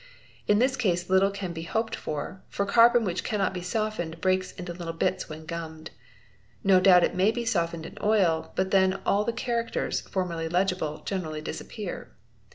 In this case little can be hoped for, for carbon which cannot be softened breaks into little bits when gummed. No doubt it may be softened in oil, but then all the characters, formerly legible, generally disappear.